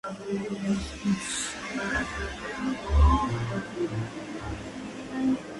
Es una de las filiales de Aeroflot, opera vuelos a destinos nacionales e internacionales.